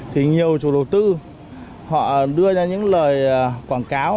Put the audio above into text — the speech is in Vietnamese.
thì nhiều chủ đầu tư họ đưa ra những lời quảng cáo